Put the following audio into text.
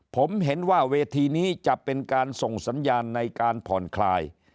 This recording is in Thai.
ผมเห็นว่าเวทีนี้จะเป็นการส่งสัญญาณในการผ่อนคลาย